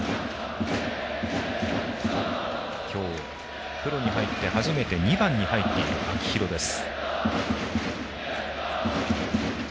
今日プロに入って初めて２番に入っている秋広です。